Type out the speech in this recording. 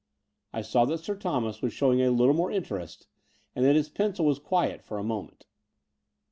I saw that Sir Thomas was showing a little more interest, and that his pencil was quiet for a mo ment.